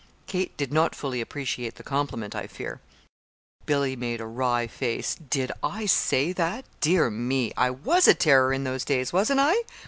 Kate did not fully appreciate the compliment, I fear." Billy made a wry face. "Did I say that? Dear me! I was a terror in those days, wasn't I?